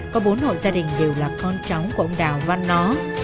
có bốn hộ gia đình đều là con cháu của ông đào văn nó